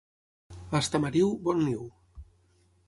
A Estamariu, bon niu.